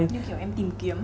như kiểu em tìm kiếm